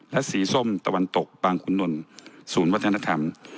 และสีส้มตะวันตกบางขุนนลศูนย์วัฒนธรรม